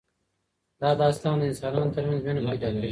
دا داستان د انسانانو ترمنځ مینه پیدا کوي.